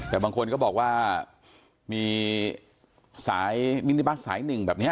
แต่บางคนก็บอกว่ามีสายมินิบัสสายหนึ่งแบบนี้